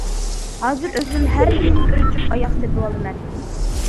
ھازىر ئۆزۈم ھەر يىلى بىر جۈپ ئاياغ سېتىۋالىمەن.